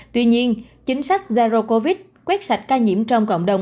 tuy nhiên chính sách zero covid quét sạch ca nhiễm trong cộng đồng